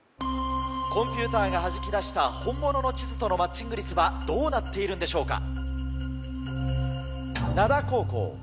コンピューターがはじき出した本物の地図とのマッチング率はどうなっているんでしょうか？